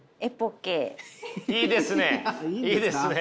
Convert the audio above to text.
いいですねいいですね。